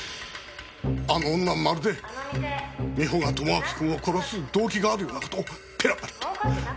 あの女まるで美穂が友章君を殺す動機があるような事をペラペラと。